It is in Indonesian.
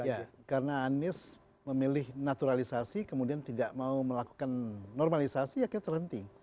ya karena anies memilih naturalisasi kemudian tidak mau melakukan normalisasi akhirnya terhenti